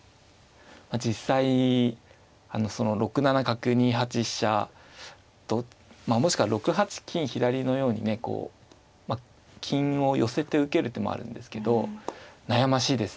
実際６七角２八飛車もしくは６八金左のようにねこう金を寄せて受ける手もあるんですけど悩ましいですね